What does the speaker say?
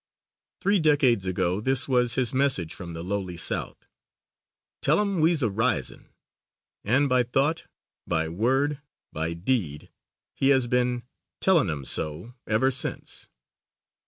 Three decades ago this was his message from the lowly South, "Tell 'em we'se a risin," and by thought, by word, by deed, he has been "Tellin' em so" ever since.